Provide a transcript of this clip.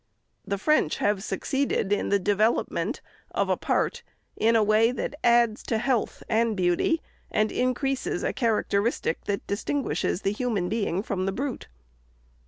The French have succeeded in the development of a part, in a way that adds to health and beauty, and increases a characteristic, that distinguishes the human being from the brute.